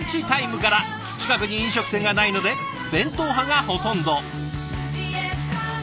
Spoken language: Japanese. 近くに飲食店がないので弁当派がほとんど。